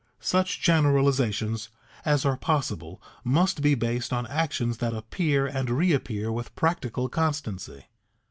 Such generalizations as are possible must be based on actions that appear and reappear with practical constancy.